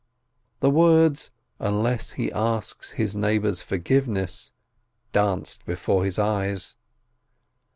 The words, "unless he asks his neighbor's forgiveness," danced before his eyes.